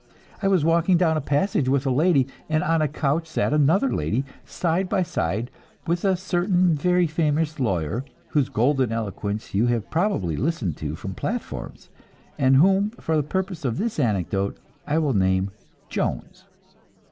I was walking down a passage with a lady, and on a couch sat another lady, side by side with a certain very famous lawyer, whose golden eloquence you have probably listened to from platforms, and whom for the purpose of this anecdote I will name Jones.